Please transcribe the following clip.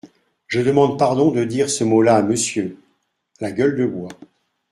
Je demande pardon de dire ce mot-là à monsieur… la gueule de bois.